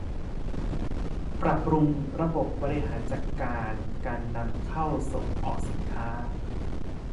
ปรับปรุงระบบบริหารจัดการการนำเข้าส่งออกสินค้า